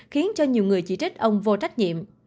khiến cho nhiều người chỉ trích ông vô trách nhiệm